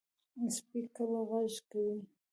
سپي کله غږ کوي.